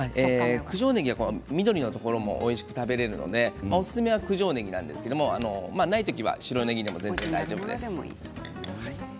九条ねぎは緑のところもおいしく食べられるのでおすすめは九条ねぎなんですけどもない時は白ねぎでも全然大丈夫です。